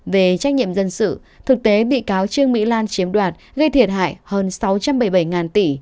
về trách nhiệm dân sự thực tế bị cáo trương mỹ lan chiếm đoạt gây thiệt hại hơn sáu trăm bảy mươi bảy tỷ